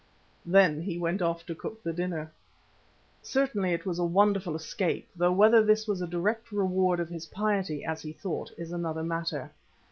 Then he went off to cook the dinner. Certainly it was a wonderful escape, though whether this was a direct reward of his piety, as he thought, is another matter.